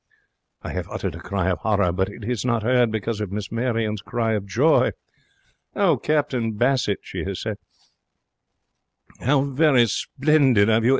I have uttered a cry of horror, but it is not 'eard because of Miss Marion's cry of joy. 'Oh, Captain Bassett,' she has said, 'how very splendid of you!